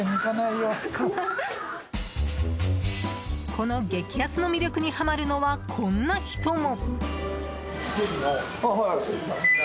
この激安の魅力にはまるのはこんな人も。